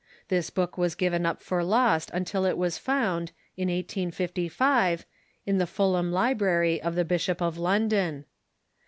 This book Avas given up for lost until it Avas found, in 1855, in the Fulham library of the Bishop of London.